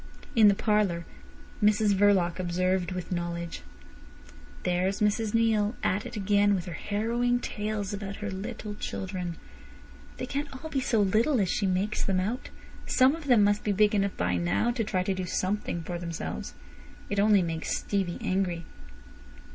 In the parlour Mrs Verloc observed, with knowledge: "There's Mrs Neale at it again with her harrowing tales about her little children. They can't be all so little as she makes them out. Some of them must be big enough by now to try to do something for themselves. It only makes Stevie angry."